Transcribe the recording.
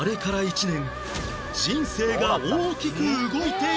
人生が大きく動いていた！